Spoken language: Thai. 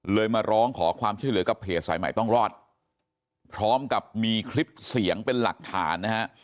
มาร้องขอความช่วยเหลือกับเพจสายใหม่ต้องรอดพร้อมกับมีคลิปเสียงเป็นหลักฐานนะฮะ